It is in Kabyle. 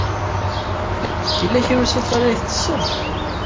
Yella kra n usafar ay tettessed?